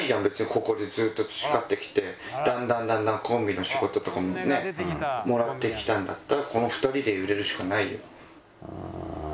ここでずっと培ってきてだんだんだんだんコンビの仕事とかもねもらってきたんだったらこの２人で売れるしかないよ！